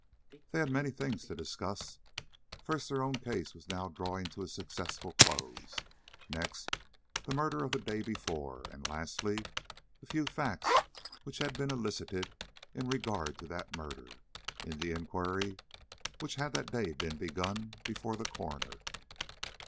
They had many things to discuss. First, their own case now drawing to a successful close; next, the murder of the day before; and lastly, the few facts which had been elicited in regard to that murder, in the inquiry which had that day been begun before the coroner.